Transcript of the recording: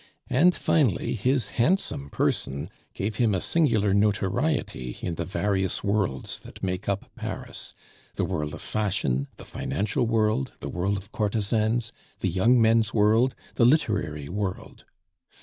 And finally, his handsome person gave him a singular notoriety in the various worlds that make up Paris the world of fashion, the financial world, the world of courtesans, the young men's world, the literary world.